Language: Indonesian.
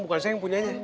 bukan saya yang punya aja